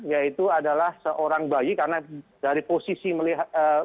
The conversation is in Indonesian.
yaitu adalah seorang bayi karena dari posisi melihat